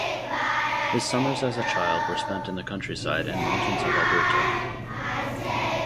His summers as a child were spent in the countryside and mountains of Alberta.